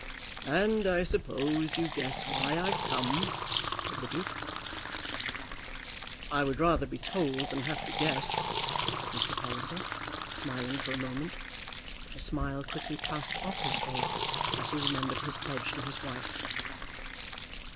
"And I suppose you guess why I'm come?" said the Duke. "I would rather be told than have to guess," said Mr. Palliser, smiling for a moment. But the smile quickly passed off his face as he remembered his pledge to his wife.